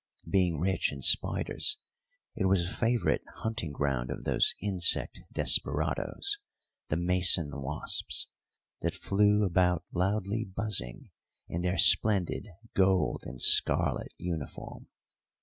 Being rich in spiders, it was a favourite hunting ground of those insect desperadoes, the mason wasps, that flew about loudly buzzing in their splendid gold and scarlet uniform.